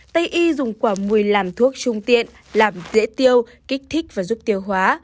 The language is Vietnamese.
tây y dùng quả mùi làm thuốc trung tiện làm dễ tiêu kích thích và giúp tiêu hóa